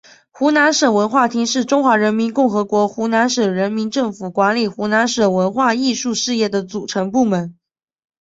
湖南省文化厅是中华人民共和国湖南省人民政府管理湖南省文化艺术事业的组成部门。